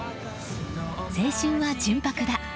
「青春は、純白だ。」